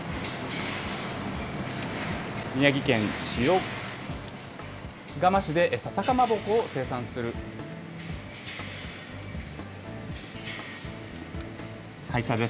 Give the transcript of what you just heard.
宮城県塩釜市でささかまぼこを生産する会社です。